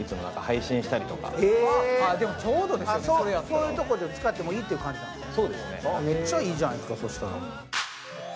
そういうことで使ってもいいということなんですね。